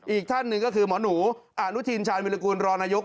อีกท่านหนึ่งก็คือหมอหนูอ่านรุทีนชาญวิลกรณรณยุค